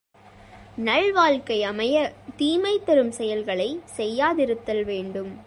நல் வாழ்க்கை அமைய, தீமை தரும் செயல்களைச் செய்யாதிருத்தல் வேண்டும்.